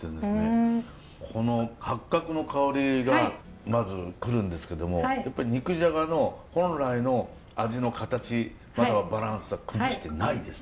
この八角の香りがまず来るんですけどもやっぱり肉じゃがの本来の味の形またはバランスは崩してないですね！